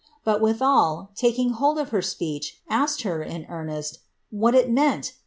But withal, taking hold of her speech, adced her, in t eunest, *what it meant?